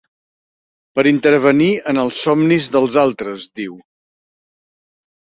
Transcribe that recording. Per intervenir en els somnis dels altres, diu.